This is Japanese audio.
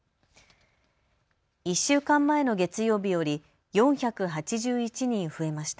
１週間前の月曜日より４８１人増えました。